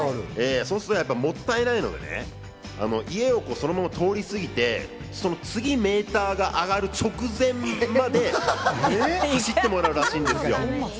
そうするともったいないので、家を通り過ぎてその次、メーターが上がる直前まで走ってもらうらしいんですよ。